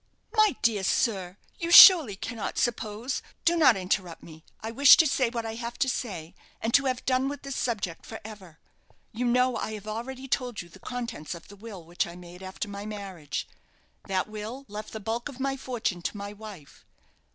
"My dear sir, you surely cannot suppose " "Do not interrupt me. I wish to say what I have to say, and to have done with this subject for ever. You know I have already told you the contents of the will which I made after my marriage. That will left the bulk of my fortune to my wife.